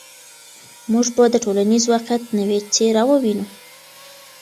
موږ به د ټولنیز واقعیت نوې څېره ووینو.